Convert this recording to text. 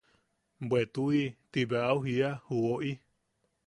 –Bwe tuʼi– Ti bea au jiia ju woʼi.